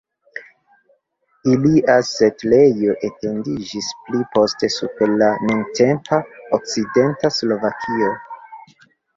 Ilia setlejo etendiĝis pli poste super la nuntempa okcidenta Slovakio.